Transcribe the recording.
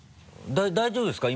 大丈夫ですか？